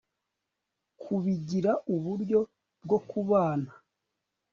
kubigira uburyo bwo kubana